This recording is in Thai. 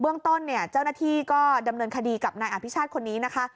เรื่องต้นเนี่ยเจ้าหน้าที่ก็ดำเนินคดีกับนายอภิชาติคนนี้นะคะ